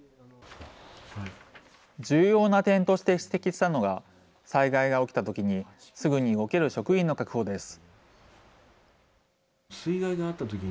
重要な点として指摘したのが、災害が起きたときにすぐに動ける職員の確保です。